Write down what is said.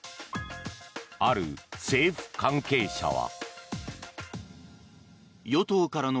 ある政府関係者は。